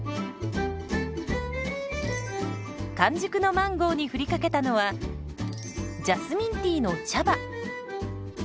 完熟のマンゴーに振りかけたのはジャスミンティーの茶葉。